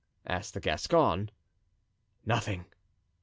asked the Gascon. "Nothing!"